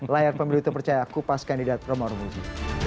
layar pemilu itu percaya aku pas kandidat romar muzi